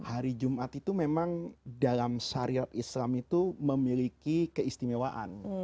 hari jumat itu memang dalam syariat islam itu memiliki keistimewaan